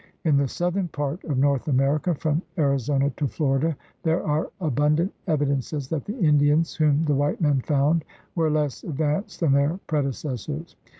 In the southern part of North America from Ari zona to Florida there are abundant evidences that the Indians whom the white man found were less advanced than their predecessors.